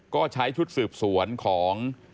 ก็ใช้ชุดสืบสวนของ